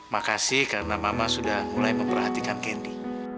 makasih karena mama sudah mulai memperhatikan kendi